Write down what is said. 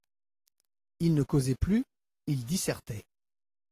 Il ne causait plus, il dissertait.